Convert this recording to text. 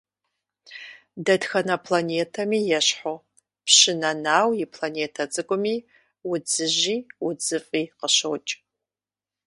Дэтхэнэ планетэми ещхьу, Пщы Нэнау и планетэ цӀыкӀуми удзыжьи удзыфӀи къыщокӀ.